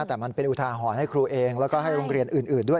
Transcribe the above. แต่มันเป็นอุทาหรณ์ให้ครูเองแล้วก็ให้โรงเรียนอื่นด้วย